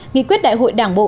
nghị quyết đại hội đảng bộ